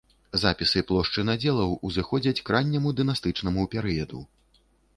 Запісы плошчы надзелаў узыходзяць к ранняму дынастычнаму перыяду.